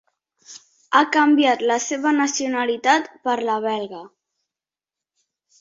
Ha canviat la seva nacionalitat per la belga.